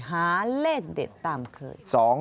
หาเลขเด็ดตามเคย